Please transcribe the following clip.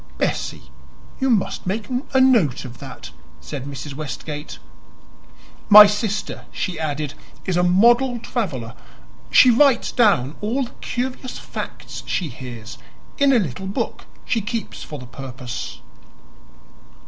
"Bessie, you must make a note of that," said Mrs. Westgate. "My sister," she added, "is a model traveler. She writes down all the curious facts she hears in a little book she keeps for the purpose."